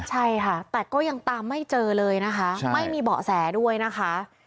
ใช่ค่ะแต่ก็ยังตามไม่เจอเลยนะคะไม่มีเบาะแสด้วยนะคะ